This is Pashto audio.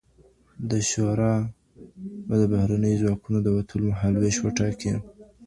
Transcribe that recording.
دا شورا به د بهرنيو ځواکونو د وتلو مهالوېش وټاکي.